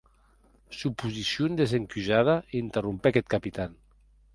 Suposicion desencusada, interrompec eth Capitan.